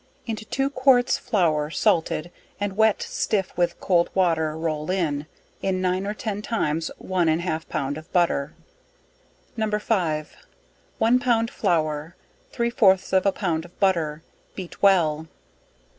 Into two quarts flour (salted) and wet stiff with cold water roll in, in nine or ten times one and half pound of butter. No. 5. One pound flour, three fourths of a pound of butter, beat well.